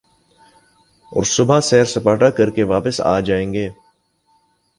اور صبح سیر سپاٹا کر کے واپس آ جائیں گے ۔